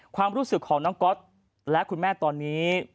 ความรู้สึกของน้องก๊อตและคุณแม่ตอนนี้